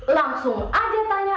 langsung aja tanya